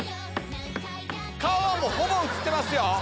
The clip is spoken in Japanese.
顔はもうほぼ映ってますよ。